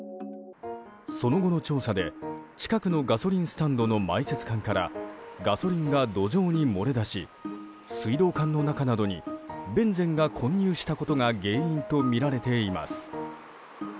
その後の調査で、近くのガソリンスタンドの埋設管からガソリンが土壌に漏れ出し水道管の中などにベンゼンが混入したことが原因とみられています。